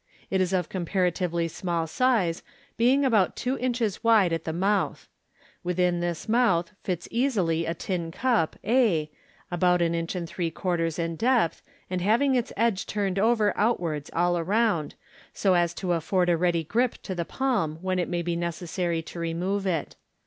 It is of comparatively small size, being about two inches wide at the ^=====^^'^§^ mouth fits easily a tin ^S^^^^y *"""J,"'"*S^S3|^H «H^ cup, g, about an inch m$W and three quarters in (^pf flG 2I7« depth, and having its edge turned over outwards all round, so as to afford a ready grip to the palm when it may be necessary to remove it.